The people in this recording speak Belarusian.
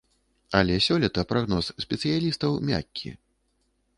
Але сёлета прагноз спецыялістаў мяккі.